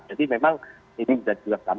jadi memang ini sudah dikonsumsi sama kami